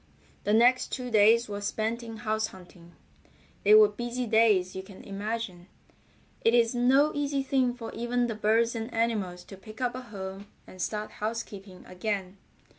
The next two days were spent in house hunting. They were busy days you can imagine. It is no easy thing for even the birds and animals to pick up a home and start housekeeping again.